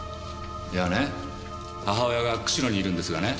いやね母親が釧路にいるんですがね